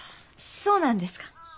そうなんですか？